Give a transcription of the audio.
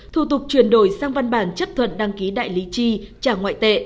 thủ tục chuyển đổi sang văn bản chấp thuận đăng ký đại lý chi trả ngoại tệ